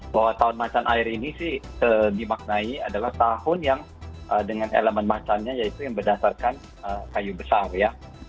bahwa tahun macan air ini sih dimaknai adalah tahun yang dengan elemen macannya yaitu yang berdasarkan kayu besar ya